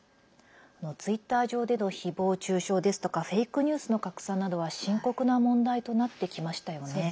ツイッター上での誹謗・中傷ですとかフェイクニュースの拡散などは深刻な問題となってきましたよね。